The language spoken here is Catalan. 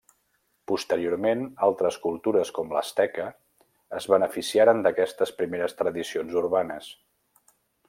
Posteriorment, altres cultures com l'Asteca es beneficiaren d'aquestes primeres tradicions urbanes.